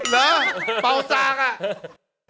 เหรอเป่าซางอ่ะ